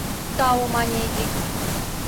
— Тау, — мане Эдик.